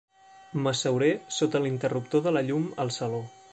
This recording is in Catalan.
M'asseuré sota l'interruptor de la llum al saló.